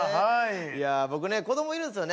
いや僕ね子どもいるんですよね。